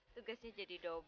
tugasnya jadi dobel